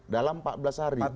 dalam empat belas hari